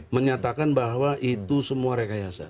menyatakan bahwa itu semua rekayasa